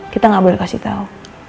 kita gak boleh kasih tau